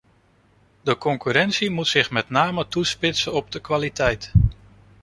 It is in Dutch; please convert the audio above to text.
De concurrentie moet zich met name toespitsen op de kwaliteit.